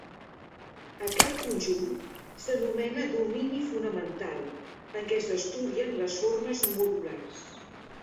Aquest conjunt s'anomena domini fonamental en què s'estudien les formes modulars.